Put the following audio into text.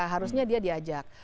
harusnya dia diajak